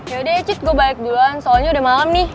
yaudah ya cid gue balik duluan soalnya udah malem nih